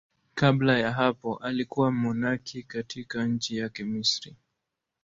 Kabla ya hapo alikuwa mmonaki katika nchi yake, Misri.